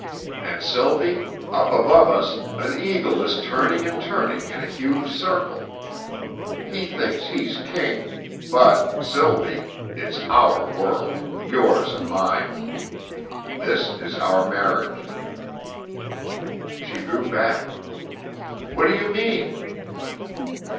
And Sylvie, up above us, an eagle is turning and turning in a huge circle. He thinks he's king. But, Sylvie, it's our world yours and mine. This is our marriage." She drew back. "What do you mean?"